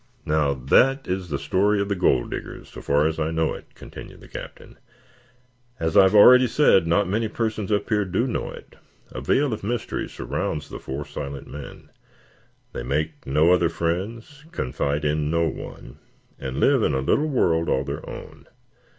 "Now, that is the story of the Gold Diggers, so far as I know it," continued the Captain. "As I have already said, not many persons up here do know it. A veil of mystery surrounds the four silent men. They make no other friends, confide in no one, and live in a little world all their own.